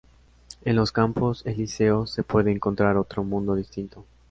En los Campos Elíseos se puede encontrar otro mundo distinto.